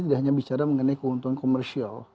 tidak hanya bicara mengenai keuntungan komersial